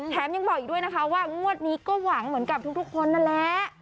แถมยังบอกอยู่ด้วยว่ามวดนี้ก็หวังเหมือนกับทุกคนนะแล้ว